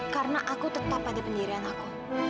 karena aku tetap ada pendirian aku